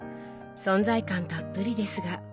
存在感たっぷりですが。